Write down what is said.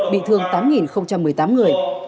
bị thương tám một mươi tám người